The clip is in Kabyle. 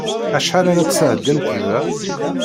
Acḥal ara tesεeddimt da?